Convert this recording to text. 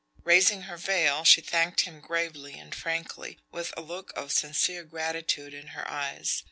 Raising her veil, she thanked him gravely and frankly, with a look of sincere gratitude in her eyes.